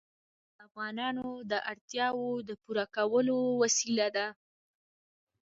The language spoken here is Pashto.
غوښې د افغانانو د اړتیاوو د پوره کولو وسیله ده.